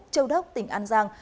châu đốc tỉnh an giang